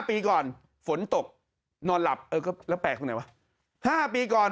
ปีก่อนฝนตกนอนหลับเออก็แล้วแปลกตรงไหนวะ๕ปีก่อน